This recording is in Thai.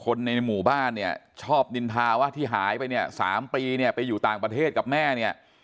คนในหมู่บ้านเนี่ยชอบนินทาว่าที่หายไปเนี่ย๓ปีเนี่ยไปอยู่ต่างประเทศกับแม่เนี่ย